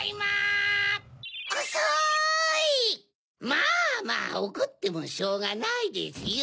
まぁまぁおこってもしょうがないですよ。